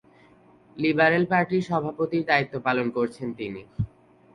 Liberal পার্টির সভাপতির দায়িত্ব পালন করছেন তিনি।